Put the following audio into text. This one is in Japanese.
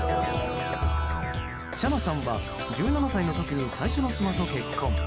チャナさんは１７歳の時に最初の妻と結婚。